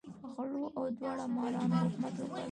غلو او داړه مارانو حکومت وکړ.